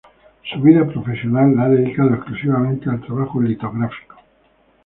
Su vida profesional la ha dedicado exclusivamente al trabajo litográfico.